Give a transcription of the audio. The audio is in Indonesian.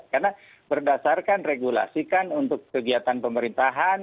karena berdasarkan regulasi kan untuk kegiatan pemerintahan